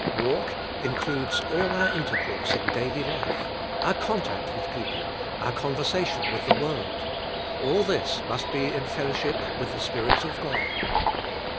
Walk includes all our intercourse in daily life, our contact with people, our conversation with the world. All this must be in fellowship with the Spirit of God.